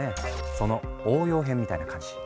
その応用編みたいな感じ。